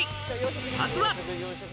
まずは。